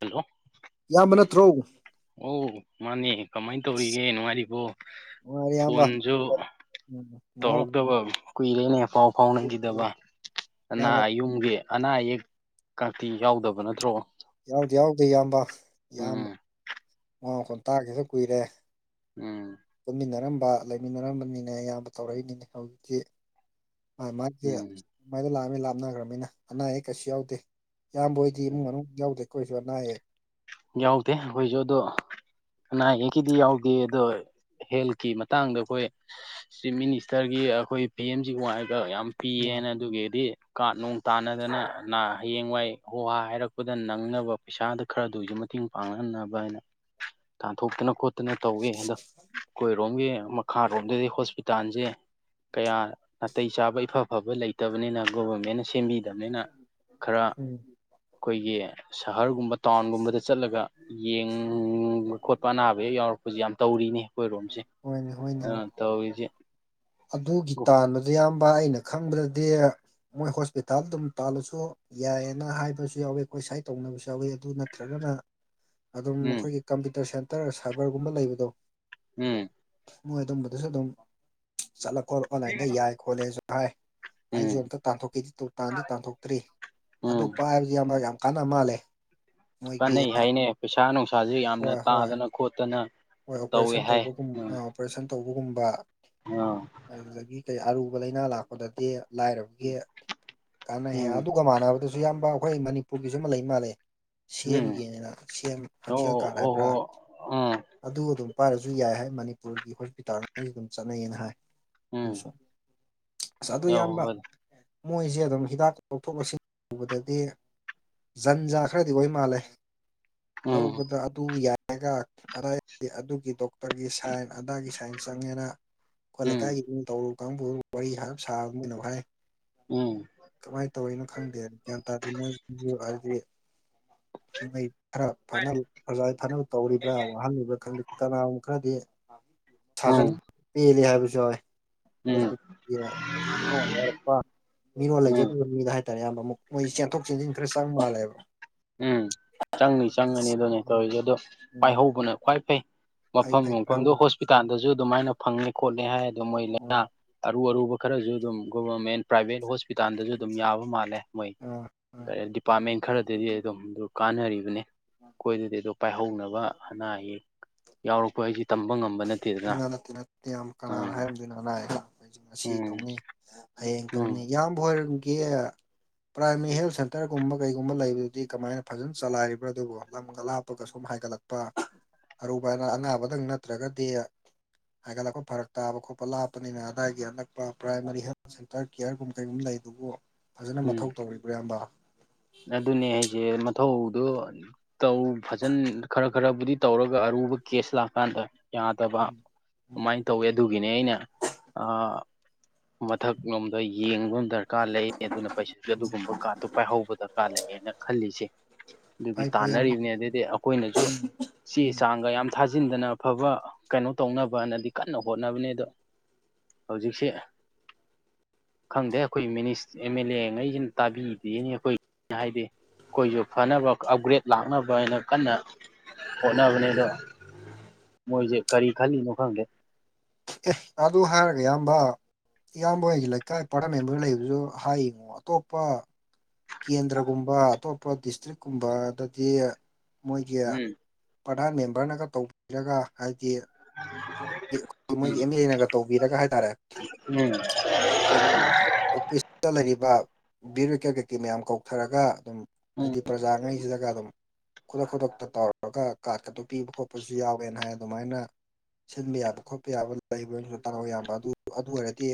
hello ꯏꯌꯥꯝꯕ ꯅꯠꯇꯔꯣ ꯑꯣ ꯃꯥꯅꯦ ꯀꯃꯥꯏꯅ ꯇꯧꯔꯤꯒꯦ ꯅꯨꯡꯉꯥꯏꯔꯤꯕꯣ ꯅꯨꯡꯉꯥꯏꯔꯤ ꯏꯌꯥꯝꯕ ꯐꯣꯟꯁꯨ ꯎꯝ ꯃꯋꯥ ꯃꯈꯣꯜ ꯇꯧꯔꯛꯇꯕ ꯀꯨꯏꯔꯦꯅꯦ ꯄꯥꯎ ꯐꯥꯎꯅꯈꯤꯗꯕ ꯑꯅꯥ ꯏꯌꯥꯝꯕ ꯌꯨꯝꯒꯤ ꯑꯅꯥ ꯑꯌꯦꯛꯀꯗꯤ ꯌꯥꯎꯗꯕ ꯅꯠꯇ꯭ꯔꯣ ꯌꯥꯎꯗꯦ ꯌꯥꯎꯗꯦ ꯏꯌꯥꯝꯕ ꯏꯌꯥꯝꯕ ꯎꯝ ꯃꯥ ꯃꯈꯣꯟ ꯇꯥꯈꯤꯗꯕ ꯀꯨꯏꯔꯦ ꯎꯝ ꯄꯨꯟꯃꯤꯟꯅꯔꯝꯕ ꯂꯩꯃꯤꯟꯅꯔꯝꯕꯅꯤꯅ ꯏꯌꯥꯝꯕ ꯇꯧꯔꯛꯏꯅꯤꯅꯦ ꯍꯧꯖꯤꯛꯇꯤ ꯃꯥꯏ ꯃꯥꯏꯒꯤ ꯎꯝ ꯂꯥꯛꯑꯝꯃꯤ ꯂꯥꯞꯅꯈ꯭ꯔꯕꯅꯤꯅ ꯑꯅꯥ ꯑꯌꯦꯛ ꯀꯩꯁꯨ ꯌꯥꯎꯗꯦ ꯏꯌꯥꯝꯕ ꯍꯣꯏꯗꯤ ꯏꯃꯨꯡ ꯃꯅꯨꯡ ꯌꯥꯎꯗꯦꯀꯣ ꯀꯩꯁꯨ ꯑꯅꯥ ꯑꯌꯦꯛ ꯌꯥꯎꯗꯦ ꯑꯩꯈꯣꯏꯁꯨ ꯑꯗꯣ ꯑꯅꯥ ꯑꯌꯦꯛꯀꯤꯗꯤ ꯌꯥꯎꯗꯦ ꯑꯗꯣ ꯍꯦꯜꯀꯤ ꯃꯇꯥꯡꯗ ꯑꯩꯈꯣꯏ ꯆꯤꯞ ꯃꯤꯅꯤꯁꯇꯔꯒꯤ ꯑꯩꯈꯣꯏ ꯄꯤ ꯑꯦꯝꯖꯤ ꯋꯥꯏꯒ ꯌꯥꯝ ꯑ ꯄꯤꯌꯦꯅ ꯑꯗꯨꯒꯤꯗꯤ ꯀꯥꯔꯠ ꯅꯨꯡ ꯇꯥꯟꯅꯗꯅ ꯍꯌꯦꯡꯋꯥꯏ ꯍꯣꯍꯥ ꯍꯥꯏꯔꯛꯄꯗ ꯅꯪꯅꯕ ꯄꯩꯁꯥꯗꯨ ꯈꯔ ꯑꯗꯨꯒꯤꯁꯨ ꯃꯇꯦꯡ ꯄꯥꯡꯍꯟꯅꯕ ꯍꯥꯏꯅ ꯇꯥꯟꯊꯣꯛꯇꯅ ꯈꯣꯠ ꯇꯅ ꯇꯧꯋꯦ ꯑꯗꯣ ꯑꯩꯈꯣꯏꯔꯣꯝꯒꯤ ꯃꯈꯥꯔꯣꯝꯗꯗꯤ ꯍꯣꯁꯄꯤ ꯨꯇꯥꯜꯁꯦ ꯀꯌꯥ ꯅꯥꯇꯩ ꯆꯥꯕ ꯏꯐ ꯐꯕ ꯂꯩꯇꯕꯅꯤꯅ ꯒꯣꯕꯔꯃꯦꯟꯅ ꯁꯦꯝꯕꯤꯗꯕꯅꯤꯅ ꯈꯔ ꯎꯝ ꯑꯩꯈꯣꯏꯒꯤ ꯁꯍꯔꯒꯨꯝꯕ ꯇꯥꯎꯟꯒꯨꯝꯕꯗ ꯑꯗꯨꯗ ꯆꯠꯂꯒ ꯌꯦꯡꯕ ꯈꯣꯠꯄ ꯑꯅꯥꯕ ꯍꯦꯛ ꯌꯥꯎꯔꯛꯄꯁꯦ ꯌꯥꯝ ꯇꯧꯔꯤꯅꯦ ꯑꯩꯈꯣꯏꯔꯣꯝꯁꯦ ꯍꯣꯏꯅꯦ ꯍꯣꯏꯅꯦꯝ ꯇꯧꯋꯤꯖꯦ ꯑꯗꯨꯒꯤ ꯇꯥꯟꯕꯗ ꯑꯌꯥꯝꯕꯥꯏ ꯑꯩꯅ ꯈꯪꯕꯗꯗꯤ ꯃꯣꯏ ꯍꯣꯁꯄꯤꯇꯥꯜ ꯑꯗꯨꯝ ꯇꯥꯜꯂꯁꯨ ꯌꯥꯏꯌꯦꯅ ꯍꯥꯏꯕꯁꯨ ꯌꯥꯎꯋꯤ ꯑꯈꯣꯏ ꯁ꯭ꯋꯥꯥꯏ ꯇꯧꯅꯕꯁꯨ ꯌꯥꯎꯋꯤ ꯑꯗꯨ ꯅꯠꯇ꯭ꯔꯒꯅ ꯑꯗꯨꯝ ꯎꯝ ꯑꯈꯣꯏꯒꯤ ꯀꯝꯄ꯭ꯌꯨꯇꯔ ꯁꯦꯟꯇꯔ ꯁꯥꯕꯔꯒꯨꯝꯕ ꯂꯩꯕꯗꯣ ꯎꯝ ꯃꯣꯏ ꯑꯗꯨꯝꯕꯗꯨꯖꯨ ꯑꯗꯨꯝ ꯆꯠꯂ ꯈꯣꯠꯂꯣ ꯑꯣꯟꯂꯥꯏꯟꯗ ꯌꯥꯏ ꯈꯣꯠꯂꯦꯁꯨ ꯍꯥꯏ ꯑꯩꯖꯨ ꯎꯝ ꯑꯝꯇ ꯇꯥꯟꯊꯣꯛꯀꯦꯗꯤ ꯇꯨ ꯇꯥꯟꯗꯤ ꯇꯥꯟꯊꯣꯛꯇ꯭ꯔꯤ ꯑꯗꯨ ꯎꯝ ꯄꯥꯏꯕꯖꯤ ꯏꯌꯥꯝꯕ ꯌꯥꯝ ꯀꯥꯟꯅ ꯃꯥꯜꯂꯦ ꯃꯣꯏꯒꯤ ꯀꯥꯟꯅꯩ ꯍꯥꯏꯅꯦ ꯄꯩꯁꯥ ꯅꯨꯡꯁꯥꯥꯖꯖ ꯌꯥꯝꯅ ꯍꯣꯏ ꯍꯣꯏ ꯇꯥꯗꯅ ꯈꯣꯠꯇꯅ ꯍꯣꯏ ꯇꯧꯋꯦ ꯑꯣꯄꯔꯦꯁꯟ ꯍꯥꯏ ꯇꯧꯕꯒꯨꯝ ꯑ ꯑꯣꯄꯔꯦꯁꯟ ꯇꯧꯕꯒꯨꯝꯕ ꯉꯥ ꯑꯗꯨꯗꯒꯤ ꯀꯩ ꯑꯔꯨꯕ ꯂꯩꯅꯥ ꯂꯥꯛꯄꯗꯗꯤ ꯂꯥꯏꯔꯕꯒꯤ ꯀꯥꯟꯅꯩ ꯍꯥ ꯎꯝ ꯑꯗꯨ ꯒ ꯃꯥꯟꯅꯕꯗꯖꯨ ꯏꯌꯥꯝꯕ ꯑꯈꯣꯏ ꯃꯅꯤꯄꯨꯔꯒꯤꯖꯨ ꯑꯃ ꯂꯩ ꯃꯥꯜꯂꯦ ꯁꯤ ꯎꯝ ꯑꯦꯝꯒꯤꯅꯦꯅ ꯁꯦꯝ ꯑꯣ ꯍꯛꯁꯦꯜ ꯀꯥꯔꯠ ꯍꯣ ꯍꯥꯏꯕ꯭ꯔꯥ ꯍꯣ ꯎꯝ ꯑꯗꯨ ꯑꯗꯨꯝ ꯄꯥꯏꯔꯖꯨ ꯌꯥꯏ ꯍꯥꯏ ꯃꯅꯤꯄꯨꯔꯒꯤ ꯍꯣꯁꯄꯤꯇꯥꯜꯁꯉꯩꯖꯨ ꯗꯨꯝ ꯆꯠꯅꯩꯌꯦꯅ ꯍꯥꯏ ꯎꯝ ꯑꯗꯨꯁꯨ ꯑꯁ ꯑꯗꯨ ꯌꯥꯎ ꯏꯌꯥꯝꯕ ꯃꯣꯏꯖꯦ ꯑꯗꯨꯝ ꯍꯤꯗꯥꯛ ꯂꯧꯊꯣꯛ ꯂꯧꯁꯤꯟ ꯇꯧꯕꯗꯗꯤ ꯖꯟꯖꯥ ꯈꯔꯗꯤ ꯑꯣꯏ ꯃꯥꯜꯂꯦ ꯎꯝ ꯂꯧꯕꯗ ꯑꯗꯨ ꯌꯥꯏꯌꯦꯒ ꯑꯗꯥꯏꯒꯤ ꯑꯗꯨꯒꯤ ꯗꯣꯛ ꯇꯔꯒꯤ ꯁꯥꯏꯟ ꯑꯗꯥꯒꯤ ꯁꯥꯏꯟ ꯆꯪꯉꯦꯅ ꯈꯣꯏ ꯎꯝ ꯂꯩꯀꯥꯏꯒꯤ ꯃꯤ ꯇꯧꯔꯨ ꯀꯥꯡꯕꯨ ꯋꯥꯔꯤ [unintelligible] ꯁꯥꯕ ꯃꯤꯅꯃꯨꯛ ꯍꯥꯏ ꯑ ꯀꯃꯥꯏ ꯇꯧꯔꯤꯅꯣ ꯈꯪꯗꯦ ꯒ꯭ꯌꯥꯟ ꯇꯥꯗꯤ ꯃꯣꯏꯁꯤꯖꯨ ꯍꯥꯏꯗꯤ ꯎꯝ ꯑꯩ ꯈꯔ ꯐꯅꯜ ꯄ꯭ꯔꯖꯥꯏ ꯐꯅꯕ ꯇꯧꯔꯤꯕ꯭ꯔꯥ ꯋꯥꯍꯟꯂꯤꯕ꯭ꯔꯥ ꯈꯪꯗꯦ ꯀꯅꯥꯒꯨꯝ ꯈꯔꯗꯤ ꯑꯥ ꯁꯥꯖꯅꯤꯡ ꯎꯝ ꯄꯦꯟꯂꯤ ꯍꯥꯏꯕꯁꯨ ꯌꯥꯎꯌꯦ ꯎꯝ [unintelligible] [unintelligible] ꯃꯤꯔꯣꯟ ꯎꯝ ꯂꯩꯖꯗꯕ ꯃꯤꯗ ꯍꯥꯏꯇꯥꯔꯦ ꯑꯌꯥꯝꯕꯃꯨꯛ ꯃꯣꯏ ꯆꯦꯟꯊꯣꯛ ꯆꯦꯟꯁꯤꯟ ꯈꯔ ꯆꯪ ꯃꯥꯜꯂꯦꯕ ꯎꯝ ꯆꯪꯅꯤ ꯆꯪꯒꯅꯤ ꯑꯗꯨꯅꯦ ꯎꯝ ꯇꯧꯔꯤꯖꯦ ꯑꯗꯣ ꯎꯝ ꯄꯥꯏꯍꯧꯕꯅ ꯈ꯭ꯋꯥꯏ ꯐꯩ ꯐꯩ ꯃꯐꯝ ꯐꯩ ꯌꯣꯡꯐꯝꯗꯣ ꯐꯥꯏꯍꯧꯕꯗꯤ ꯍꯣꯁꯄꯤꯇꯥꯜꯗꯖꯨ ꯑꯗꯨꯃꯥꯏꯅ ꯐꯪꯉꯦ ꯈꯣꯠꯂꯦ ꯍꯥꯏ ꯑꯗꯣ ꯃꯣꯏ ꯍꯣꯏ ꯂꯩꯅ ꯑꯔꯨ ꯑꯔꯨꯕ ꯈꯔꯖꯨ ꯑꯗꯨꯝ ꯒꯣꯚꯔꯃꯦꯟ ꯄ꯭ꯔꯥꯏꯚꯦꯠ ꯍꯣꯁꯄꯤꯇꯥꯜꯗꯖꯨ ꯑꯗꯨꯝ ꯌꯥꯕ ꯃꯥꯜꯂꯦ ꯃꯣꯏ ꯑꯥ ꯑꯥ ꯀꯔꯦꯟ ꯗꯤꯄꯥꯔꯠꯃꯦꯟ ꯈꯔꯗꯗꯤ ꯑꯗꯨꯝ ꯗꯨ ꯀꯥꯟꯅꯔꯤꯕꯅꯦ ꯈꯣꯏꯗꯗꯤ ꯑꯗꯣ ꯄꯥꯏꯍꯧꯅꯕ ꯑꯅꯥ ꯑꯌꯦꯛ ꯌꯥꯎꯔꯛꯄ ꯍꯥꯏꯖꯤ ꯇꯝꯕ ꯉꯝ ꯅ ꯅꯠꯇꯦ ꯅꯠꯇꯦ ꯌꯥꯝ ꯀꯅꯥꯅ ꯍꯥꯏꯔꯝꯗꯣꯏꯅꯣ ꯑꯅꯥ ꯑꯌꯦꯛ ꯂꯥꯛꯄ ꯍꯥꯏꯖꯤ ꯉꯁꯤ ꯎꯝ ꯇꯧꯅꯤ ꯍꯌꯦꯡ ꯎꯝ ꯇꯧꯅꯤ ꯏꯌꯥꯝꯕ ꯍꯣꯏꯔꯨꯝꯒꯤ ꯄ꯭ꯔꯥꯏꯃꯔꯤ ꯍꯦꯜ ꯁꯦꯟꯇꯔꯒꯨꯝꯕ ꯀꯩꯒꯨꯝꯕ ꯂꯩꯕꯗꯨꯗꯤ ꯀꯃꯥꯏꯅ ꯐꯖꯅ ꯆꯂꯥꯏꯔꯤꯕ꯭ꯔꯥ ꯑꯗꯨꯕꯨ ꯂꯝꯒ ꯂꯥꯞꯄꯒ ꯁꯨꯝ ꯍꯥꯏꯒꯠꯂꯛ ꯄ ꯑꯔꯨꯕ ꯑꯅꯥ ꯑꯅꯥꯕꯗꯪ ꯅꯠꯇ꯭ꯔꯒꯗꯤ ꯍꯥꯏꯒꯠꯂꯛꯄ ꯐꯔꯛ ꯇꯥꯕ ꯈꯣꯠꯄ ꯂꯥꯞꯄꯅꯤꯅ ꯑꯗꯥꯏꯒꯤ ꯑꯅꯛꯄ ꯄ꯭ꯔꯥꯏꯃꯥꯔꯤ ꯍꯦꯜꯠ ꯁꯦꯟꯇꯔ ꯀꯤꯌꯔꯒꯨꯝ ꯀꯩꯒꯨꯝ ꯂꯩꯗꯨꯕꯨ ꯐꯖꯅ ꯎꯝ ꯃꯊꯧ ꯇꯧꯔꯤꯕ꯭ꯔꯥ ꯏꯌꯥꯝꯕ ꯑꯗꯨꯅꯦ ꯍꯥꯏꯖꯦ ꯃꯊꯧꯗꯨ ꯇꯧ ꯐꯖꯟ ꯈꯔ ꯈꯔꯕꯨꯗꯤ ꯇꯧꯔꯒ ꯑꯔꯨꯕ ꯀꯦꯁ ꯂꯥꯛꯀꯥꯟꯗ ꯌꯥꯗꯕ ꯎꯝ ꯎꯝ ꯑꯃꯥꯏꯟ ꯇꯧꯋꯦ ꯑꯗꯨꯒꯤꯅꯦ ꯑꯩꯅ ꯑꯥ ꯃꯊꯛꯂꯣꯝꯗ ꯌꯦꯡꯕꯝ ꯗꯔ ꯀꯥꯔ ꯂꯩ ꯑꯦꯗꯨꯅ ꯄꯩꯁꯥꯁꯨ ꯑꯗꯨꯒꯨꯝꯕ ꯀꯥꯔꯠꯇꯨ ꯄꯥꯏꯍꯧꯒꯗ ꯀꯥ ꯂꯩꯌꯦꯅ ꯈꯜꯂꯤꯁꯦ ꯑꯗꯨꯒꯤ ꯐꯩ ꯐꯩ ꯏꯌꯥꯝꯕ ꯇꯥꯟꯅꯔꯤꯕꯅꯦ ꯑꯗꯩꯩꯗꯤ ꯑꯈꯣꯏꯅꯖꯨ ꯆꯦ ꯆꯥꯡꯒ ꯌꯥꯝ ꯊꯥꯖꯤꯟꯗꯅ ꯑꯐꯕ ꯀꯩꯅꯣ ꯇꯧꯅꯕꯅꯗꯤ ꯀꯟꯅ ꯍꯣꯠꯅꯕꯅꯦ ꯗꯣ ꯍꯧꯖꯤꯛꯁꯦ ꯈꯪꯗꯦ ꯑꯩꯈꯣꯏ ꯃꯤꯅꯤ ꯑꯦꯝ ꯑꯦꯜ ꯑꯦ ꯉꯩꯁꯤꯅ ꯇꯥꯕꯤꯗꯦꯅꯦ ꯑꯩꯈꯣꯏ ꯍꯥꯏꯗꯤ ꯑꯩꯈꯣꯏꯁꯨ ꯐꯅꯕ ꯑꯞꯒ꯭ꯔꯦꯗ ꯂꯥꯛꯅꯕꯅ ꯀꯟꯅ ꯍꯣꯠꯅꯕꯅꯦ ꯑꯗꯨ ꯃꯣꯏꯖꯦ ꯀꯔꯤ ꯈꯜꯂꯤꯅꯣ ꯈꯪꯗꯦ ꯑꯦ ꯑꯗꯨ ꯍꯥꯏꯔꯒ ꯏꯌꯥꯝꯕ ꯏꯌꯥꯝꯕ ꯍꯣꯏꯒꯤ ꯂꯩꯀꯥꯏ ꯄꯔꯥꯗꯥꯟ ꯃꯦꯝꯕꯔ ꯂꯩꯕꯗꯨꯁꯨ ꯍꯥꯏ ꯌꯦꯡꯉꯣ ꯑꯇꯣꯞꯄ ꯀꯦꯟꯗ꯭ꯔꯒꯨꯝꯕ ꯑꯇꯣꯞꯄ ꯗꯤꯁꯇ꯭ꯔꯤꯛꯒꯨꯝꯕꯗꯗꯤ ꯃꯣꯏꯒꯤ ꯎꯝ ꯄ꯭ꯔꯗꯥꯟ ꯃꯦꯝꯕꯔꯅꯒ ꯇꯧꯕꯤꯔꯒ ꯍꯥꯏꯗꯤ [inaudible] ꯎꯝ ꯃꯣꯏꯒꯤ ꯑꯦꯝ ꯑꯦꯜ ꯑꯦꯅꯒ ꯇꯧꯕꯤꯔꯒ ꯍꯥꯏꯇꯥꯔꯦ ꯎꯝ ꯑꯩꯈꯣꯏꯒꯤ ꯑꯣꯐꯤꯁꯇ ꯂꯩꯔꯤꯕ ꯕꯤꯔꯤꯀꯦꯠ ꯀꯩꯀꯩ ꯃꯌꯥꯝ ꯀꯧꯊꯔꯒ ꯑꯗꯨꯝ ꯎꯝ ꯍꯥꯏꯗꯤ ꯄ꯭ꯔꯖꯥꯉꯩꯁꯤꯗꯒ ꯀꯗꯨꯝ ꯈꯨꯗꯛ ꯈꯨꯗꯛꯇ ꯇꯧꯔꯒ ꯀꯥꯔꯠꯀꯇꯣ ꯄꯤꯕ ꯈꯣꯠꯄꯁꯨ ꯌꯥꯎꯋꯦꯅ ꯍꯥꯏ ꯑꯗꯨꯃꯥꯏꯅ ꯁꯤꯟꯕ ꯌꯥꯕ ꯈꯣꯠꯄ ꯌꯥꯕ ꯂꯩꯕ [unintelligible] ꯑꯗꯨ ꯑꯗꯨ ꯑꯣꯏꯔꯗꯤ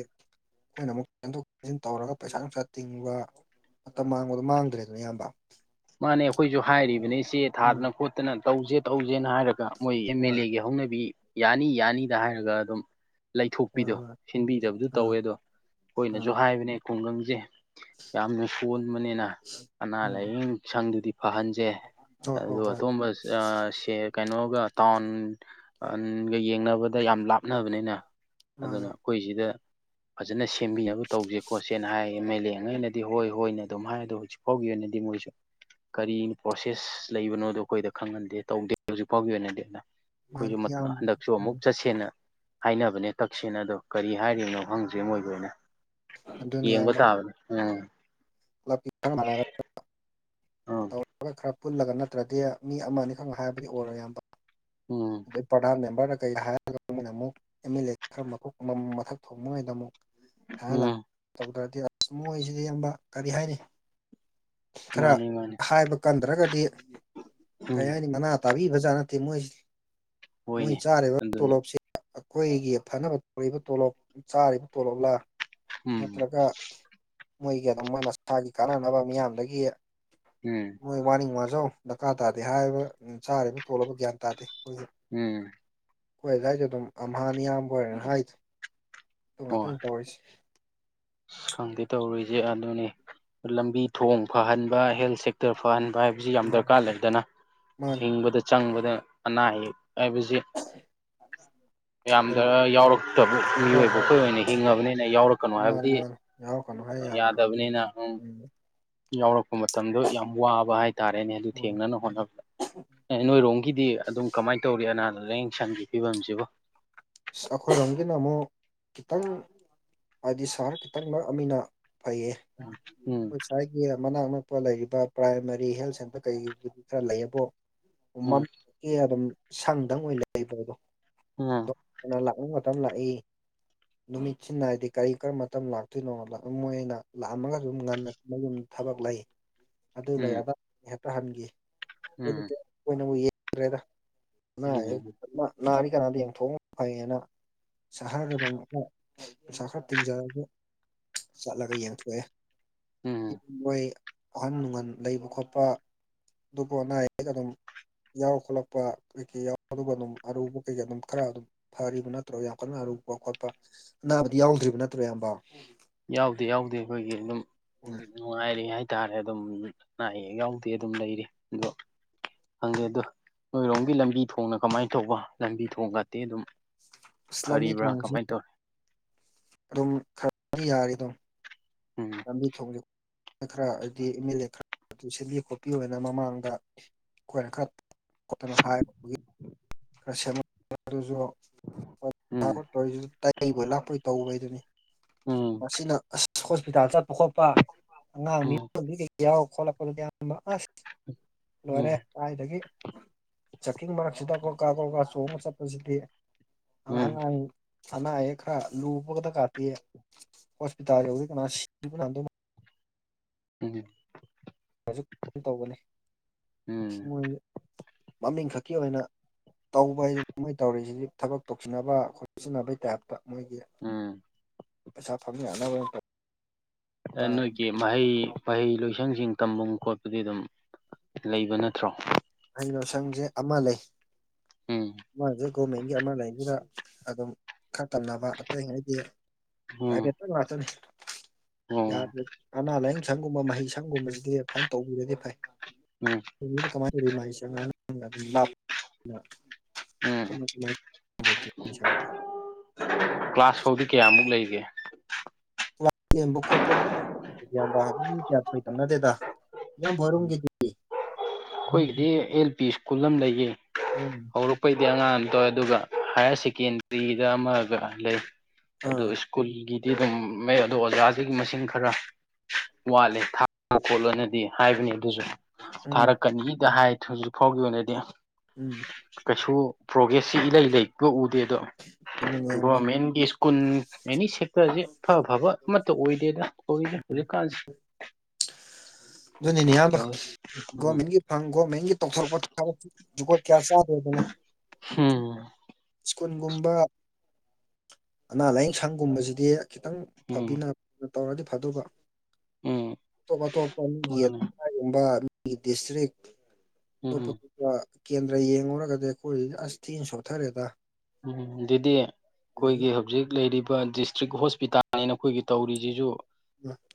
ꯑꯩꯈꯣꯏꯅ ꯑꯃꯨꯛ ꯆꯦꯟꯊꯣꯛ ꯆꯦꯟꯁꯤꯟ ꯇꯧꯔꯒ ꯄꯩꯁꯥ ꯅꯨꯡꯁꯥ ꯇꯤꯡꯕ ꯃꯇꯝ ꯃꯥꯡꯕꯗꯣ ꯃꯥꯡꯗ꯭ꯔꯦꯗꯅ ꯑꯌꯥꯝꯕ ꯃꯥꯅꯦ ꯑꯩꯈꯣꯏꯁꯨ ꯍꯥꯏꯔꯤꯕꯅꯤ ꯆꯦ ꯊꯥꯗꯅ ꯈꯣꯠꯇꯅ ꯇꯧꯁꯦ ꯇꯧꯁꯦꯅ ꯍꯥꯏꯔꯒ ꯃꯣꯏ ꯑꯦꯝ ꯍꯣꯏ ꯑꯦꯜ ꯑꯦꯒꯤ ꯍꯧꯅꯕꯤ ꯌꯥꯅꯤ ꯌꯥꯅꯤꯗ ꯍꯥꯏꯔꯒ ꯑꯗꯨꯝ ꯍꯣꯏ ꯂꯩꯊꯣꯛꯄꯤꯗꯣ ꯍꯣꯏ ꯁꯤꯟꯕꯤꯗꯕꯗꯨ ꯇꯧꯋꯦ ꯑꯥ ꯑꯗꯣ ꯑꯥ ꯑꯩꯈꯣꯏꯅꯁꯨ ꯍꯥꯏꯕꯅꯦ ꯈꯨꯡꯒꯪꯁꯦ ꯌꯥꯝꯅ ꯁꯣꯟꯕꯅꯤꯅ ꯑꯅꯥ ꯎꯝ ꯂꯥꯏꯌꯦꯡꯁꯪ ꯗꯨꯗꯤ ꯐꯍꯟ... ꯁꯦ ꯍꯣꯏ ꯍꯣꯏ ꯑꯗꯨ ꯍꯣꯏ ꯑꯇꯣꯞꯕ ꯁꯦ ꯀꯩꯅꯣꯒ ꯇꯥꯎꯟꯒ ꯌꯦꯡꯅꯕꯗ ꯌꯥꯝ ꯂꯥꯞꯅꯕꯅꯤꯅ ꯃꯥꯅꯤ ꯑꯗꯨꯅ ꯑꯩꯈꯣꯏꯁꯤꯗ ꯐꯖꯅ ꯁꯦꯝꯕꯤꯅꯕ ꯇꯧꯁꯦ ꯈꯣꯠꯁꯦꯅ ꯍꯥꯏ ꯑꯦꯝ ꯑꯦꯜ ꯑꯦꯉꯩꯅꯗꯤ ꯍꯣꯏ ꯍꯣꯏꯅ ꯑꯗꯨꯝ ꯍꯥꯏ ꯑꯗꯣ ꯍꯧꯖꯤꯛ ꯐꯥꯎꯒꯤ ꯑꯣꯏꯅꯗꯤ ꯃꯣꯏꯁꯨ ꯀꯔꯤ ꯄ꯭ꯔꯣꯁꯦꯁ ꯂꯩꯕꯅꯣꯗꯣ ꯑꯩꯈꯣꯏꯗ ꯈꯪꯍꯟꯗꯦ ꯇꯧꯗꯦ ꯍꯧꯖꯤꯛ ꯐꯥꯎꯒꯤ ꯑꯣꯏꯅꯗꯤ ꯃꯥꯅꯤ ꯑꯩꯈꯣꯏꯁꯨ ꯏꯌꯥꯝꯕ ꯍꯟꯗꯛꯁꯨ ꯑꯃꯨꯛ ꯎꯝ ꯆꯠꯁꯦꯅ ꯍꯥꯏꯅꯕꯅꯦ ꯇꯛꯁꯦꯅ ꯑꯗꯣ ꯀꯔꯤ ꯍꯥꯏꯔꯤꯕꯅꯣ ꯈꯪꯗ꯭ꯔꯤ ꯃꯣꯏꯒꯤ ꯑꯣꯏꯅ ꯑꯗꯨꯅꯤ ꯌꯦꯡꯕ ꯇꯥꯕꯅꯤ ꯎꯝ ꯀꯥ꯭ꯂꯞꯁꯤꯡ ꯈꯔ ꯃꯥꯟꯅꯔꯒ ꯎꯝ ꯇꯧꯔꯒ ꯈꯔ [unintelligible] ꯄꯨꯜꯂꯒ ꯅꯠꯇ꯭ꯔꯗꯤ ꯃꯤ ꯑꯃ ꯑꯅꯤꯈꯛꯅ ꯍꯥꯏꯕꯗꯤ ꯑꯣꯏꯔꯣꯏ ꯏꯌꯥꯝꯕ ꯎꯝ ꯑꯗꯩ ꯄ꯭ꯔꯙꯥꯟ ꯃꯦꯝꯕꯔꯗ ꯀꯩ ꯍꯥꯏꯔꯒ ꯃꯣꯏꯅ ꯑꯃꯨꯛ ꯑꯦꯝ ꯑꯦꯜ ꯑꯦ ꯈꯔ ꯃꯀꯣꯛ ꯃꯊꯥꯛ ꯊꯣꯡꯕꯉꯩꯗ ꯑꯃꯨꯛ ꯎꯝ [unintelligible] ꯇꯧꯗ꯭ꯔꯗꯤ ꯑꯁ ꯃꯣꯏꯁꯤꯗꯤ ꯢꯌꯥꯝꯕ ꯀꯔꯤ ꯍꯥꯏꯔꯤ ꯈꯔ ꯃꯥꯅꯤ ꯃꯥꯅꯤ ꯍꯥꯏꯕ ꯀꯟꯗ꯭ꯔꯒꯗꯤ ꯎꯝ ꯀꯔꯤ ꯍꯥꯏꯅꯤ ꯃꯅꯥ ꯇꯥꯕꯤꯕꯖꯥꯠ ꯅꯠꯇꯦ ꯃꯣꯏꯁꯤ ꯃꯣꯏ ꯍꯣꯏꯅꯦ ꯆꯥꯔꯤꯕ ꯑꯗꯨꯅꯤ ꯇꯣꯂꯣꯞꯁꯤ ꯑꯩꯈꯣꯏꯒꯤ ꯐꯅꯕ ꯇꯧꯔꯤꯕ ꯇꯣꯂꯣꯞ ꯆꯥꯔꯤꯕ ꯇꯣꯂꯣꯞꯂꯥ ꯎꯝ ꯅꯠꯇ꯭ꯔꯒ ꯃꯣꯏꯒꯤ ꯑꯗꯨꯝꯕ ꯃꯁꯥꯒꯤ ꯀꯥꯟꯅꯅꯕ ꯃꯤꯌꯥꯝꯗꯒꯤ ꯎꯝ ꯃꯣꯏ ꯋꯥꯅꯤꯡ ꯋꯥꯖꯧ ꯗꯔꯀꯥꯔ ꯇꯥꯗꯦ ꯍꯥꯏꯔꯤꯕ ꯆꯥꯔꯤꯕ ꯇꯣꯂꯣꯞꯂ ꯒ꯭ꯌꯥꯟ ꯇꯥꯗꯦ ꯑꯩꯈꯣꯏꯁꯨ ꯎꯝ ꯑꯩꯈꯣꯢ ꯑꯗꯨꯋꯥꯏꯁꯨ ꯑꯗꯨꯝ ꯑꯝꯍꯥꯅꯤ ꯢꯌꯥꯝꯕ ꯍꯣꯢꯅ ꯍꯥꯏꯔꯤꯗꯨ ꯑꯗꯨ ꯍꯣꯏ ꯉꯥꯛꯇꯅꯤ ꯇꯧꯔꯤꯁꯤ ꯑꯁ ꯈꯪꯗꯦ ꯇꯧꯔꯤꯁꯦ ꯑꯗꯨꯅꯤ ꯂꯝꯕꯤ ꯊꯣꯡ ꯐꯍꯟꯕ ꯍꯦꯜꯠ ꯁꯦꯛꯇꯔ ꯐꯍꯟꯕ ꯍꯥꯏ ꯍꯥꯏꯕꯁꯤ ꯌꯥꯝ ꯃꯥꯅꯤ ꯗꯔꯀꯥꯔ ꯃꯥꯅꯤ ꯂꯩꯗꯅ ꯃꯥꯅꯤ ꯍꯤꯡꯕꯗ ꯆꯪꯕꯗ ꯑꯅꯥ ꯑꯌꯦꯛ ꯍꯥꯏꯕꯁꯤ [inaudible] ꯃꯌꯥꯝꯗ ꯑꯗꯨꯝ ꯌꯥꯎꯔꯛꯇꯕ ꯍꯣꯏ ꯃꯤꯑꯣꯏꯕ ꯍꯣꯏ ꯑꯩꯈꯣꯏ ꯑꯣꯏꯅ ꯍꯤꯡꯉꯕꯅꯤꯅ ꯌꯥꯎꯔꯛꯀꯅꯨ ꯍꯥꯏꯕ ꯃꯥꯅꯤ ꯃꯥꯅꯤ ꯌꯥꯎꯔꯛꯒꯅꯨ ꯍꯥꯢꯕ ꯌꯥꯔꯣꯢ ꯎꯝ ꯌꯥꯎꯔꯛꯄ ꯃꯇꯝꯗꯣ ꯌꯥꯝ ꯋꯥꯕ ꯍꯥꯢꯇꯥꯔꯦꯅꯦ ꯑꯗꯨ ꯍꯣꯏ ꯊꯦꯡꯅꯅ ꯍꯣꯠꯅꯕꯗ ꯑꯦ ꯅꯣꯢꯔꯣꯝꯒꯤꯗꯤ ꯑꯗꯨꯝ ꯀꯃꯥꯢ ꯇꯧꯔꯤ ꯑꯅꯥꯗ ꯂꯥꯌꯦꯡ ꯁꯪꯒꯤ ꯐꯤꯕꯝꯁꯤꯕꯣ ꯑꯩꯈꯣꯢꯔꯣꯝꯒꯤꯅ ꯑꯃꯨꯛ ꯈꯤꯇꯪ ꯍꯥꯢꯗꯤ ꯁꯥꯔ ꯈꯤꯇꯪꯅ ꯑꯃꯤꯅ ꯐꯩꯌꯦ ꯎꯝ ꯈꯣꯢ ꯁꯥꯢ ꯃꯤꯌ ꯃꯅꯥꯛ ꯅꯛꯄ ꯂꯩꯔꯤꯕ ꯄ꯭ꯔꯥꯢꯃꯥꯔꯤ ꯍꯦꯜꯠ ꯁꯦꯟꯇꯔ ꯀꯩꯒꯕꯨꯗꯤ ꯈꯔ ꯂꯩꯌꯦꯕꯣ ꯎꯝ ꯃꯝꯀꯤ ꯑꯗꯨꯝ ꯁꯪꯗꯪ ꯑꯣꯢꯅ ꯂꯩꯕꯗꯣ ꯎꯝ ꯀꯩꯅꯣ ꯂꯥꯛꯅꯤꯡ ꯃꯇꯝ ꯂꯥꯛꯏ ꯅꯨꯃꯤꯠꯁꯤꯅ ꯍꯥꯢꯔꯗꯤ ꯀꯔꯤ ꯀꯔꯝꯕ ꯃꯇꯝ ꯂꯥꯛꯇꯨꯢꯅꯣꯅ ꯃꯣꯢꯅ ꯂꯥꯛꯑꯝꯃꯒꯖꯨ ꯑꯗꯨꯝ ꯉꯟꯅ ꯃꯌꯨꯝ ꯊꯕꯛ ꯂꯩ ꯑꯗꯨ ꯂꯩ ꯑꯗꯥ ꯍꯦꯛꯇ ꯍꯟꯒꯤ ꯎꯝ ꯎꯝ ꯑꯣꯢꯅꯕꯨ ꯌꯦꯡꯗ꯭ꯔꯦꯗ ꯅꯪ ꯑꯥꯢꯌꯤ ꯎꯝ ꯅ ꯅꯥꯔꯤ ꯀꯅꯥꯗ ꯌꯦꯡꯊꯣꯛꯑꯣꯉꯣ ꯐꯩꯌꯦꯅ ꯁꯍꯔꯗ ꯁꯍꯔ ꯇꯤꯡꯖꯔꯒ ꯆꯠꯂꯒ ꯌꯦꯟꯊꯣꯛꯑꯦ ꯎꯝ ꯃꯣꯢ ꯑꯍꯟ ꯅꯨꯡꯍꯟ ꯂꯩꯕ ꯈꯣꯠꯄ ꯑꯗꯨꯕꯨ ꯑꯅꯥ ꯑꯌꯦꯛ ꯑꯗꯨꯝ ꯌꯥꯎ ꯈꯣꯠꯂꯛꯄ ꯀꯩꯀꯩ ꯌꯥꯎ ꯑꯗꯨꯒ ꯑꯗꯨꯝ ꯑꯔꯨꯕ ꯀꯩꯀꯩ ꯑꯗꯨꯝ ꯈꯔ ꯑꯗꯨꯝ ꯐꯔꯤꯕ ꯅꯠꯇ꯭ꯔꯣ ꯌꯥꯝ ꯀꯟꯅ ꯑꯔꯨꯕ ꯈꯣꯠꯄ ꯑꯅꯥꯕꯗꯤ ꯌꯥꯎꯗ꯭ꯔꯤꯕ ꯅꯠꯇ꯭ꯔꯣ ꯏꯌꯥꯝꯕ ꯌꯥꯎꯗꯦ ꯌꯥꯎꯗꯦ ꯑꯩꯈꯣꯢꯒꯤ ꯑꯗꯨꯝ ꯅꯨꯡꯉꯥꯢꯔꯦ ꯍꯥꯢꯇꯥꯔꯦ ꯑꯗꯨꯝ ꯑꯅꯥ ꯑꯌꯦꯛ ꯌꯥꯎꯗꯦ ꯑꯗꯨꯝ ꯂꯩꯔꯤ ꯑꯗꯣ ꯈꯪꯗꯦ ꯑꯗꯣ ꯅꯣꯢꯔꯣꯝꯒꯤ ꯂꯝꯕꯤ ꯊꯣꯡꯅ ꯀꯃꯥꯢꯅ ꯇꯧꯕ ꯂꯝꯕꯤ ꯊꯣꯡꯒꯇꯤ ꯑꯗꯨꯝ ꯑꯁ ꯂꯝꯕꯤ ꯐꯔꯤꯕ꯭ꯔꯥ ꯊꯣꯡꯁꯤ ꯀꯃꯥꯢ ꯇꯧꯔꯤ ꯑꯗꯨꯝ ꯈꯔꯗꯤ ꯌꯥꯔꯤ ꯑꯗꯨꯝ ꯎꯝ ꯂꯝꯕꯤ ꯊꯣꯡ ꯈꯔ ꯍꯥꯢꯗꯤ ꯑꯦꯝ ꯑꯦꯜ ꯑꯦ ꯈꯔ ꯁꯦꯝꯕꯤꯑꯛꯄ ꯄꯤꯑꯣꯢꯅ ꯃꯃꯥꯡꯗ ꯀꯣꯢꯔꯀꯠꯇꯅ ꯍꯥꯢ ꯀ꯭ꯔꯁꯃꯨ ꯑꯗꯨꯖꯨ ꯐꯔꯛ ꯎꯝ ꯇꯕ ꯇꯧꯔꯤꯖꯤꯖꯨ ꯇꯥꯢ ꯂꯩꯕꯣꯢ ꯂꯥꯛꯄꯣꯢ ꯇꯧꯕꯩꯗꯨꯅꯤ ꯎꯝ ꯃꯁꯤꯅ ꯑꯁ ꯍꯣꯁꯄꯤꯇꯥꯜ ꯆꯠꯄ ꯈꯣꯠꯄ ꯑꯉꯥꯡ ꯃꯤ ꯎꯝ ꯄꯨꯟꯗꯤ ꯀꯩ ꯌꯥꯎ ꯈꯣꯠꯂꯛꯄꯗꯨꯗꯤ ꯑꯌꯥꯝꯕ ꯑꯁ ꯂꯣꯢꯔꯦ ꯎꯝ ꯀꯥꯢꯗꯒꯤ ꯖꯀꯤꯡ ꯃꯔꯛꯁꯤꯗ ꯀꯣꯀꯥ ꯀꯣꯀꯥ ꯆꯣꯡꯕ ꯆꯠꯄꯁꯤꯗꯤ ꯑꯉ ꯎꯝ ꯑꯉꯥꯡ ꯑꯅꯥ ꯑꯌꯦꯛ ꯈꯔ ꯂꯨꯕ ꯈꯛꯇ ꯀꯥꯇꯤ ꯍꯣꯁꯄꯤꯇꯥꯜ ꯌꯧꯗꯤ ꯀꯅꯥ ꯁꯤꯕꯅ ꯍꯥꯟꯗꯧ ꯃꯥꯜ ꯎꯝ ꯍꯧꯛ ꯇꯧꯒꯅꯤ ꯎꯝ ꯃꯣꯢ ꯃꯃꯤꯡ ꯈꯛꯀꯤ ꯑꯣꯢꯅ ꯇꯧꯕ ꯍꯥꯏꯁꯤ ꯃꯣꯏ ꯇꯧꯔꯤꯁꯤꯗꯤ ꯊꯕꯛ ꯇꯧꯁꯤꯟꯅꯕ ꯈꯣꯆꯤꯟꯅꯕꯩ ꯇꯥꯢꯞꯇ ꯃꯣꯢꯒꯤ ꯎꯝ ꯄꯩꯁꯥ ꯐꯪ ꯌꯥꯅꯕ ꯇꯧ ꯑ ꯅꯣꯢꯒꯤ ꯃꯍꯩ ꯃꯍꯩ ꯂꯣꯢꯁꯪꯁꯤꯡ ꯇꯝꯐꯝ ꯈꯣꯠꯄꯗꯤ ꯑꯗꯨꯝ ꯂꯩꯕ ꯅꯠꯇ꯭ꯔꯣ ꯍꯩꯩꯅꯣꯁꯪꯖꯦ ꯑꯃ ꯂꯩ ꯎꯝ ꯃꯥꯁꯦ ꯒꯣꯔꯃꯦꯟꯒꯤ ꯑꯃ ꯂꯩꯢꯗꯨꯗ ꯑꯗꯨꯝ ꯈꯔ ꯇꯝꯅꯕ ꯑꯇꯩ ꯍꯥꯢꯗꯤ ꯎꯝ ꯄꯥꯢꯕꯦꯠꯇ ꯉꯇꯅꯤ ꯑꯣ ꯌꯥꯗ꯭ꯔꯗꯤ ꯑꯅꯥ ꯂꯥꯌꯦꯡ ꯁꯪꯒꯨꯝꯕ ꯃꯍꯩ ꯁꯪꯒꯨꯝꯕꯖꯤꯗꯤ ꯐꯅ ꯇꯧꯕꯤꯔꯗꯤ ꯐꯩ ꯎꯝ ꯀꯥꯢꯅꯤꯗ ꯀꯃꯥꯢ ꯇꯧꯗꯨꯢꯕ ꯍꯥꯢꯆꯉꯛꯑꯒ [unintelligible] ꯎꯝ ꯈꯪꯗꯦ ꯅꯥꯏꯠ [unintelligible] ꯀ꯭ꯂꯥꯁ ꯐꯥꯎꯗꯤ ꯀꯌꯥꯃꯨꯛ ꯂꯩꯒꯦ ꯀꯋꯥ ꯌꯦꯟꯕ ꯈꯣꯠꯄ ꯏꯌꯥꯝꯕ ꯑꯗꯨ ꯃꯤ ꯀꯌꯥ ꯊꯣꯢ ꯇꯧꯅꯗꯦꯗ ꯏꯌꯥꯝꯕꯍꯣꯢꯔꯣꯝꯒꯤꯗꯤ ꯑꯈꯣꯏꯒꯤꯗꯤ ꯑꯦꯜ ꯄꯤ ꯁ꯭ꯀꯨꯜ ꯑꯝ ꯂꯩꯌꯦ ꯎꯝ ꯍꯧꯔꯛ ꯄꯩꯗꯤ ꯑꯉꯥꯡ ꯑꯝ ꯇꯧꯋꯦ ꯑꯗꯨꯒ ꯍꯥꯏꯌꯔ ꯁꯦꯀꯦꯟꯗ꯭ꯔꯤꯗ ꯑꯃꯒ ꯂꯩ ꯑꯗꯨ ꯑꯥ ꯁ꯭ꯀꯨꯜꯒꯤꯗꯤ ꯑꯗꯨꯝ ꯃꯩ ꯑꯗꯣ ꯑꯣꯖꯥꯁꯤꯡꯒꯤ ꯃꯁꯤꯡ ꯈꯔ ꯋꯥꯠꯂꯦ ꯊꯥ ꯈꯣꯠꯂꯣꯅꯗꯤ ꯍꯥꯏꯕꯅꯤ ꯑꯗꯨꯁꯨ ꯎꯝ ꯊꯥꯔꯛꯀꯅꯤꯗ ꯍꯥꯏ ꯍꯧꯖꯤꯛ ꯐꯥꯎꯒꯤ ꯑꯣꯏꯅꯗꯤ ꯎꯝ ꯀꯩꯁꯨ ꯄ꯭ꯔꯣꯒ꯭ꯔꯦꯁꯁꯤ ꯏꯂꯩ ꯂꯩꯕ ꯎꯗꯦ ꯑꯗꯣ ꯑꯗꯨꯅꯤ ꯏꯌꯥꯝꯕ ꯒꯣꯔꯃꯦꯟꯒꯤ ꯀꯨꯟ ꯃꯦꯅꯤ ꯁꯦ ꯈꯣꯢ ꯖꯤꯛ ꯏꯐ ꯐꯕ ꯑꯃꯠꯇ ꯑꯣꯏꯗꯦꯗ ꯇꯧꯔꯤꯁꯦ ꯍꯧꯖꯤꯛꯀꯥꯟꯁꯤ ꯑꯗꯨꯅꯤꯅꯦ ꯏꯌꯥꯝꯕ ꯎꯝ ꯒꯣꯔꯃꯦꯟꯒꯤ ꯍꯪ ꯒꯣꯔꯃꯦꯟꯒꯤ ꯇꯧꯊꯣꯔꯛꯄ ꯊꯕꯛ ꯖꯨꯒꯣꯠ ꯀ꯭ꯌꯥ ꯆꯥꯗꯦꯗꯅ ꯁ꯭ꯀꯨꯜꯒꯨꯝꯕ ꯑꯅꯥ ꯂꯥꯏꯌꯦꯡ ꯁꯪꯒꯨꯝꯕꯁꯤꯗꯤ ꯈꯤꯇꯪ ꯎꯝ ꯐꯕꯤꯅ ꯇꯧꯔꯗꯤ ꯐꯗꯨꯕ ꯎꯝ ꯑꯇꯣꯞ ꯑꯇꯣꯞꯄ ꯑꯃ ꯌꯦ ꯃꯥꯅꯦ ꯀꯩꯒꯨꯝꯕ ꯅꯪꯒꯤ ꯗꯤꯁꯇ꯭ꯔꯤꯛ ꯎꯝ ꯇꯣꯞꯄ ꯎꯝ ꯗꯨꯒ ꯀꯦꯟꯗ꯭ꯔ ꯌꯦꯡꯉꯨꯔꯒꯗꯤ ꯑꯩꯈꯣꯏ ꯑꯁ ꯊꯤꯅ ꯁꯣꯊꯔꯦꯗ ꯃꯤꯅꯤꯟꯗꯨꯗꯤ ꯑꯗꯒꯤ ꯑꯩꯈꯣꯏꯒꯤ ꯍꯧꯖꯤꯛ ꯂꯩꯔꯤꯕ ꯗꯤꯁ ꯗꯤꯁꯇ꯭ꯔꯤꯛ ꯍꯣꯁꯄꯤꯇꯥꯜꯅꯦꯅ ꯑꯩꯈꯣꯏꯒꯤ ꯇꯧꯔꯤꯁꯤꯁꯨ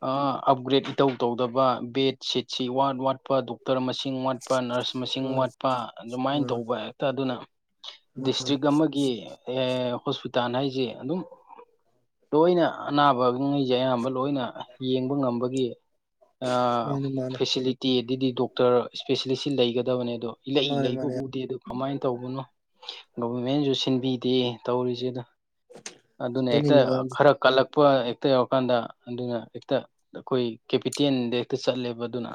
ꯑ ꯑꯞꯒ꯭ꯔꯦꯗ ꯏꯇꯧ ꯇꯧꯗꯕ ꯕꯦꯗ ꯁꯤꯠꯁꯤ ꯋꯥꯠ ꯋꯥꯠꯄꯗꯣ ꯗꯣꯛꯇꯔ ꯃꯁꯤꯡ ꯋꯥꯠꯄ ꯅꯔꯁ ꯃꯁꯤꯡ ꯋꯥꯠꯄ ꯑ ꯑꯗꯨꯃꯥꯏꯅ ꯇꯧꯕ ꯍꯦꯛꯇ ꯑꯗꯨꯅ [unintelligible] ꯑꯦ ꯍꯣꯁꯄꯤꯇꯥꯜ ꯍꯥꯏꯁꯦ ꯑꯗꯨꯝ ꯂꯣꯏꯅ ꯑꯅꯥꯕꯉꯩꯁꯦ ꯑꯌꯥꯝꯕ ꯂꯣꯏꯅ ꯌꯦꯡꯕ ꯉꯝꯕꯒꯤ ꯑꯥ ꯃꯥꯅꯦ ꯃꯥꯅꯦ ꯐꯦꯁꯤꯂꯤ ꯇꯤ ꯑꯗꯨꯗꯤ ꯗꯣꯛꯇꯔ ꯏꯁꯄꯦꯁꯦꯂꯤꯁꯁꯤ ꯂꯩꯒꯗꯕꯅꯦ ꯑꯗꯣ ꯏꯂꯩ ꯃꯥꯅꯦ ꯂꯩꯕ ꯃꯥꯅꯦ ꯎꯗꯦ ꯗꯨ ꯀꯃꯥꯏ ꯇꯧꯕꯅꯣ ꯒꯕꯔꯃꯦꯟꯅꯁꯨ ꯁꯤꯟꯕꯤꯗꯦ ꯇꯧꯔꯤꯁꯦ ꯗ ꯑꯗꯨꯅ ꯍꯦꯛꯇ ꯑꯗꯨꯅꯤꯅꯦ ꯏꯌꯥꯝꯕ ꯈꯔ ꯎꯝ ꯀꯜꯂꯛꯄ ꯍꯦꯛꯇ ꯌꯧꯔꯀꯥꯟꯗ ꯑꯗꯨꯅ ꯍꯦꯛꯇ ꯑꯩꯈꯣꯏ ꯀꯦꯄꯤꯇꯦꯟꯗ ꯍꯦꯛꯇ ꯆꯠꯂꯦꯕ ꯑꯗꯨꯅ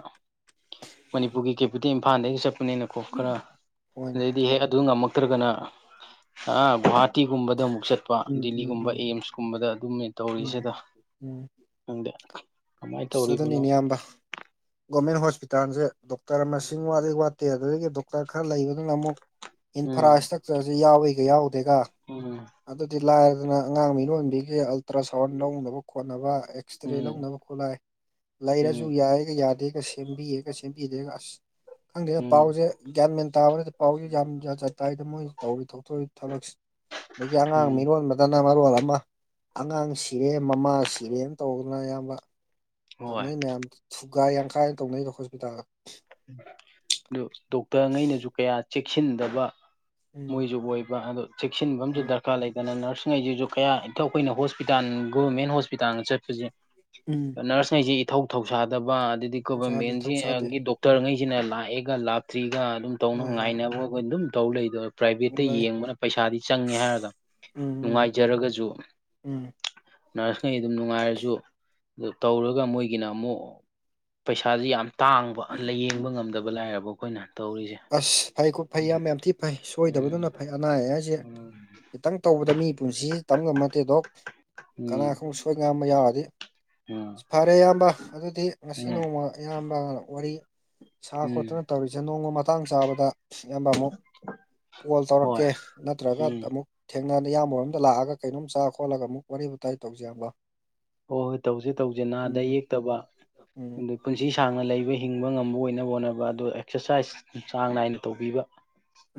ꯃꯅꯤꯄꯨꯔꯒꯤ ꯀꯦꯄꯤꯇꯦꯜ ꯏꯝꯐꯥꯜꯗ ꯆꯠꯄꯅꯦꯅ ꯀꯣ ꯈꯔ ꯍꯣꯏꯅꯦ ꯑꯗꯩꯗꯤ ꯍꯦꯛ ꯑꯗꯨ ꯉꯝꯃꯛꯇ꯭ꯔꯒꯅ ꯑ ꯒꯨꯍꯥ ꯇꯤꯒꯨꯝꯕꯗ ꯑꯃꯨꯛ ꯆꯠꯄ ꯎꯝ ꯎꯝ ꯗꯤꯜꯂꯤꯒꯨꯝꯕ ꯎꯝ ꯑꯦꯝꯁꯀꯨꯝꯕꯗ ꯑꯗꯨꯝꯃꯦ ꯎꯝ ꯇꯧꯔꯤꯁꯤꯗ ꯎꯝ ꯍꯪꯗ ꯑꯁ ꯑꯗꯨꯅꯤꯅꯦ ꯏꯌꯥꯝꯕ ꯒꯣꯔꯃꯦꯟ ꯍꯣꯁꯄꯤꯇꯥꯜꯖꯦ ꯗꯣꯛꯇꯔ ꯃꯁꯤꯡ ꯋꯥꯠꯂꯤ ꯋꯥꯠꯇꯦ ꯑꯗꯨꯗꯒꯤ ꯗꯣꯛꯇꯔ ꯈꯔ ꯂꯩꯕꯗꯨꯅ ꯑꯃꯨꯛ ꯏꯟꯐ꯭ꯔꯥ ꯎꯝ ꯢꯁꯇ꯭ꯔꯛꯆꯔꯁꯤ ꯌꯥꯎꯋꯤꯒ ꯌꯥꯎꯗꯦꯒ ꯎꯝ ꯑꯗꯨꯗꯤ ꯂꯥꯏꯔꯗꯅ ꯑꯉꯥꯡ ꯃꯤꯔꯣꯟꯕꯤꯒꯤ ꯑꯜꯇ꯭ꯔ ꯁꯥꯎꯟ ꯂꯧꯅꯕ ꯈꯣꯠꯅꯕ ꯑꯦꯛꯁꯇ꯭ꯔꯦ ꯎꯝ ꯂꯧꯅꯕ ꯈꯨꯠꯂꯥꯏ ꯂꯩꯔꯁꯨ ꯎꯝ ꯌꯥꯏꯒ ꯌꯥꯗꯦꯒ ꯁꯦꯝꯕꯤꯌꯦꯒ ꯁꯦꯝꯕꯤꯗꯦꯒ ꯑꯁ ꯈꯪꯗꯦꯗ ꯎꯝ ꯄꯥꯎꯁꯦ ꯒ꯭ꯌꯥꯟ ꯃꯦꯟ ꯇꯥꯔꯣꯢꯗ ꯄꯥꯎꯁꯦ ꯌꯥꯝ ꯖꯥꯠ ꯖꯥꯠ ꯇꯥꯏꯗ ꯃꯣꯏ ꯇꯧꯔꯤ ꯊꯣꯛꯇꯣꯏ ꯊꯕꯛꯁꯦ ꯑꯗꯒꯤ ꯑꯉꯥꯡ ꯎꯝ ꯃꯤꯔꯣꯟꯕ ꯗꯅ ꯃꯔꯣꯜ ꯑꯃ ꯑꯉꯥꯡ ꯁꯤꯔꯦ ꯃꯃꯥ ꯁꯤꯔꯦꯅ ꯇꯧꯗꯅ ꯑꯌꯥꯝꯕ ꯍꯣꯏ ꯇꯧꯅꯩ ꯃꯌꯥꯝ ꯊꯨꯒꯥꯏ ꯌꯥꯡꯈꯥꯏ ꯇꯧꯅꯩꯗꯣ ꯍꯣꯁꯄꯤꯇꯥꯜꯒ ꯗꯨ ꯗꯣꯛꯇꯔꯉꯩꯅꯁꯨ ꯀꯌꯥ ꯆꯦꯛꯁꯤꯟꯗꯕ ꯎꯝ ꯃꯣꯏꯁꯨ ꯍꯣꯏꯕ ꯑꯗꯣ ꯆꯦꯛꯁꯤꯟꯕ ꯑꯃꯗꯤ ꯗꯔ ꯀꯥ ꯂꯩꯗꯅ ꯅꯔꯁ ꯁꯤꯡꯉꯩꯁꯤꯁꯨ ꯈꯔ ꯍꯦꯛꯇ ꯑꯩꯈꯣꯏꯅ ꯍꯣꯁꯄꯤꯇꯥꯜ ꯒꯣꯔꯃꯦꯟ ꯍꯣꯁꯄꯤꯇꯥꯜꯒ ꯆꯠꯄꯁꯦ ꯎꯝ ꯅꯔꯁꯁꯤꯡꯁꯤ ꯏꯊꯧ ꯊꯧꯁꯥꯗꯕ ꯑꯗꯩꯗꯤ ꯊꯧꯁꯥꯗꯦ ꯒꯣꯕꯔꯃꯦꯟꯒꯤ ꯊꯧꯁꯥꯗꯦ ꯗꯣꯛꯇꯔ ꯇꯔꯉꯩꯖꯤꯅ ꯂꯥꯛꯑꯦꯒ ꯂꯥꯛꯇ꯭ꯔꯤꯒ ꯑꯗꯨꯝ ꯇꯧꯅ ꯍꯣꯏ ꯍꯣꯏ ꯉꯥꯏꯅꯕ ꯑꯈꯣꯏ ꯑꯗꯨꯝ ꯇꯧ ꯂꯩꯗꯣꯏ ꯄ꯭ꯔꯥꯏꯚꯦꯠꯇ ꯂꯩ ꯌꯦꯡꯕꯅ ꯄꯩꯁꯥꯗꯤ ꯆꯪꯉꯦ ꯍꯥꯏꯔꯒ ꯎꯝ ꯎꯝ ꯅꯨꯡꯉꯥꯏꯖꯔꯒꯁꯨ ꯎꯝ ꯅꯔꯁꯉꯩ ꯑꯗꯨꯝ ꯅꯨꯡꯉꯥꯏꯔꯁꯨ ꯑꯗꯨ ꯇꯧꯔꯒ ꯃꯣꯏꯒꯤꯅ ꯑꯃꯨꯛ ꯄꯩꯁꯥꯥꯖꯤ ꯌꯥꯝ ꯇꯥꯡꯕ ꯂꯥꯏꯌꯦꯡꯕ ꯉꯝꯗꯕ ꯂꯥꯏꯔꯕ ꯑꯩꯈꯣꯏꯅ ꯇꯧꯔꯤꯁꯦ ꯑꯁ ꯐꯩꯀꯣ ꯐꯩ ꯎꯝ ꯏꯌꯥꯝꯕ ꯌꯥꯝ ꯊꯤ ꯐꯩ ꯎꯝ ꯁꯣꯏꯗꯕꯗꯨꯅ ꯐꯩ ꯑꯅꯥ ꯑꯌꯦꯛ ꯍꯥꯏꯁꯦ ꯎꯝ ꯈꯤꯇꯪ ꯇꯧꯕꯗ ꯃꯤ ꯄꯨꯟꯁꯤ ꯑꯁꯤ ꯇꯝꯕ ꯉꯝꯄꯣꯠ ꯅꯠꯇꯦ ꯗꯣꯛ ꯀꯅꯥ ꯎꯝ ꯈꯪꯕ ꯁꯣꯏ ꯁꯣꯏꯉꯥꯝꯕ ꯌꯥꯎꯔꯗꯤ ꯎꯝ ꯐꯔꯦ ꯏꯌꯥꯝꯕ ꯑꯗꯨꯗꯤ ꯉꯁꯤ ꯎꯝ ꯅꯣꯡꯃ ꯏꯌꯥꯝꯕ ꯋꯥꯔꯤ ꯁꯥ ꯎꯝ ꯈꯣꯠꯇꯅ ꯇꯧꯔꯤꯁꯦ ꯅꯣꯡꯃ ꯃꯇꯥꯡ ꯆꯥꯕꯗ ꯏꯌꯥꯝꯕ ꯑꯃꯨꯛ ꯀꯣꯜ ꯍꯣꯏ ꯇꯧꯔꯛꯀꯦ ꯅꯠꯇ꯭ꯔꯒ ꯎꯝ ꯑꯃꯨꯛ ꯊꯦꯡꯅꯔꯗꯤ ꯏꯌꯥꯝꯕ ꯍꯣꯏꯔꯣꯝꯗ ꯂꯥꯛꯑꯒ ꯀꯩꯅꯣꯝ ꯆꯥ ꯈꯣꯠꯂꯒ ꯑꯃꯨꯛ ꯋꯥꯔꯤ ꯋꯥꯇꯥꯏ ꯇꯧꯁꯤ ꯏꯌꯥꯝꯕ ꯍꯣꯏ ꯍꯣꯏ ꯇꯧꯖꯦ ꯇꯧꯖꯦ ꯅꯥꯗ ꯎꯝ ꯌꯦꯛꯇꯕ ꯎꯝ ꯑꯗꯨ ꯄꯨꯟꯁꯤ ꯁꯥꯡꯅ ꯂꯩꯕ ꯍꯤꯡꯕ ꯉꯝꯕ ꯑꯣꯏꯅꯕ ꯍꯣꯠꯅꯕ ꯑꯗꯨ ꯑꯦꯛꯁꯔꯁꯥꯏꯁ ꯆꯥꯡ ꯅꯥꯏꯅ ꯇꯧꯕꯤꯕ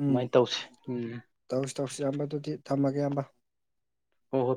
ꯎꯝ ꯇꯧꯁꯤ ꯎꯝ ꯇꯧꯁꯤ ꯇꯧꯁꯤ ꯏꯌꯥꯝꯕ ꯑꯗꯨꯗꯤ ꯊꯝꯃꯒꯦ ꯏꯌꯥꯝꯕ ꯍꯣ ꯍꯣꯏ